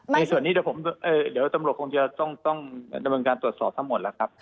ในส่วนนี้เดี๋ยวตำรวจคงจะต้องดำเนินการตรวจสอบทั้งหมดแล้วครับ